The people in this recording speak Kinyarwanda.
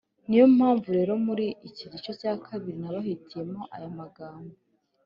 Niyo mpamvu rero muri iki gice cya kabiri nabahitiyemo aya amagambo